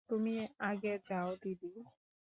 তুমি আগে যাও দিদি।